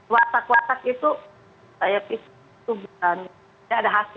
watak watak itu saya pikir itu bukan tidak ada hasil